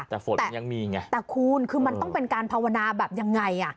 แต่ฝนมันยังมีไงแต่คุณคือมันต้องเป็นการภาวนาแบบยังไงอ่ะ